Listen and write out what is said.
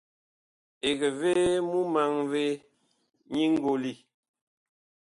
Eg vee mumaŋ vee nyi ngoli?